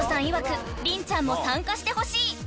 いわく凛ちゃんも参加してほしい］